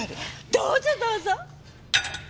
どうぞどうぞ。